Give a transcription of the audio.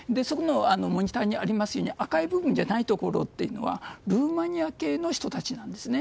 モニターにありますように赤い部分じゃないところはルーマニア系の人たちです。